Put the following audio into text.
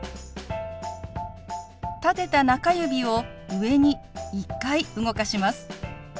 立てた中指を上に１回動かします。